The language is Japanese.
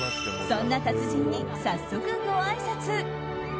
そんな達人に早速ごあいさつ。